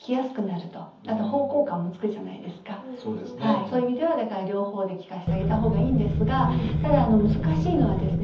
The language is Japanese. そういう意味では両方で聞かせてあげた方がいいんですがただ難しいのはですね